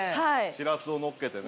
しらすをのっけてね。